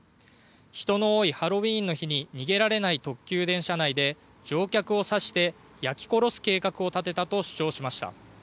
人の多いハロウィーンの日に逃げられない特急電車内で乗客を刺して焼き殺す計画を立てたと主張しました。